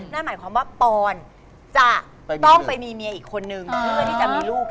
นั่นหมายความว่าปอนจะต้องไปมีเมียอีกคนนึงเพื่อที่จะมีลูก